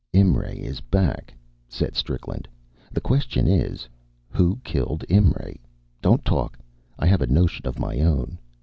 "Imray is back," said Strickland. "The question is, who killed Imray? Don't talk I have a notion of my own.